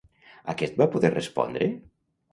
Aquest va poder respondre?